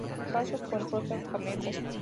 Casó con Rosa Camejo.